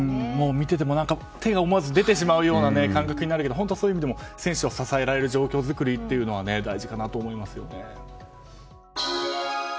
見ていても、思わず手が出てしまう感覚になるけども本当、そういう意味でも選手を支えられる状況作りは大事かなと思いますね。